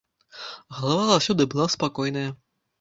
Галава заўсёды была спакойная.